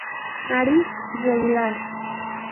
Nariz regular.